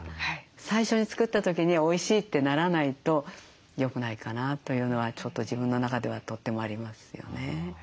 最初に作った時においしいってならないとよくないかなというのはちょっと自分の中ではとってもありますよね。